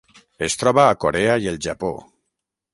Es troba a Corea i el Japó.